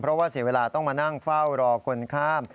เพราะว่าเสียเวลาต้องมานั่งเฝ้ารอคนข้าม